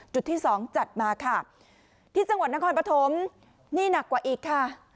ที่สองจัดมาค่ะที่จังหวัดนครปฐมนี่หนักกว่าอีกค่ะ